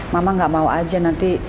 mama gak mau aja nanti